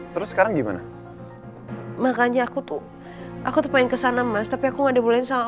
terus sekarang gimana makanya aku tuh aku tuh main kesana mas tapi aku nggak dibolehin sama